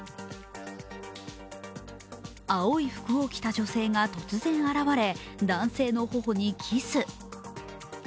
青い服を着た女性が突然現れ、男性の頬にキス。